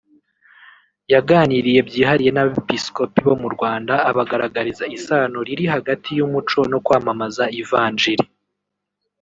yaganiriye byihariye n’abepiskopi bo mu Rwanda abagaragariza isano riri hagati y’umuco no kwamamaza ivanjili